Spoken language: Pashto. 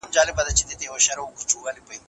ټولنیز مهارتونه مو د ژوند سرمایه ده.